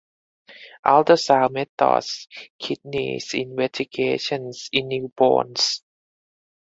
Ultrasound methods kidneys investigations in newborns.